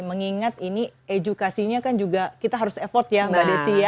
mengingat ini edukasinya kan juga kita harus effort ya mbak desi ya